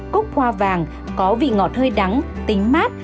cúc hoa vàng có vị ngọt hơi đắng tính mát